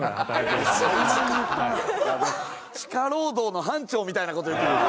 地下労働の班長みたいな事言ってる。